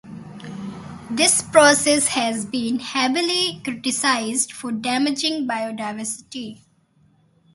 This process has been heavily criticised for damaging biodiversity.